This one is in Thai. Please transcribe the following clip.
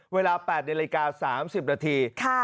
เวลา๘นิเมตร๓๐นาที